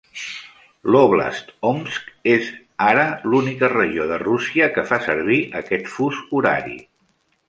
L'óblast Omsk és ara l'única regió de Rússia que fa servir aquest fus horari.